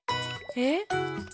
えっ？